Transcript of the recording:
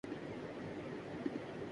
، وطن کی محبت اور مذہبی عقیدت کے